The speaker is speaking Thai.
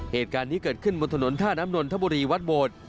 เหตุการณ์นี้เกิดขึ้นบนถนนท่าน้ำนนทบุรีวัดโบด